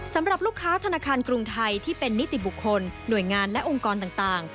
สำหรับลูกค้าธนาคารกรุงไทยที่เป็นนิติบุคคลหน่วยงานและองค์กรต่าง